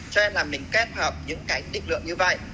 cho nên là mình kết hợp những cái định lượng như vậy